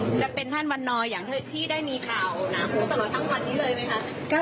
จะเป็นท่านวันนีอย่างที่ได้มีข่าว